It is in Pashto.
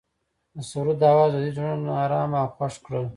د سرود اواز د دوی زړونه ارامه او خوښ کړل.